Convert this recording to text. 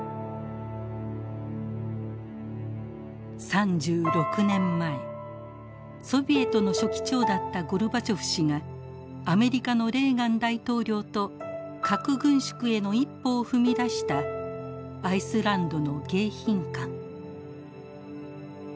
３６年前ソビエトの書記長だったゴルバチョフ氏がアメリカのレーガン大統領と核軍縮への一歩を踏み出したアイスランドの迎賓館。